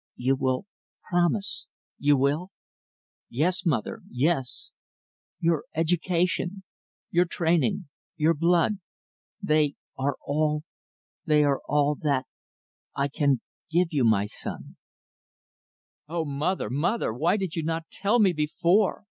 "You will promise you will?" "Yes, mother, yes." "Your education your training your blood they are all that I can give you, my son." "O mother, mother! why did you not tell me before?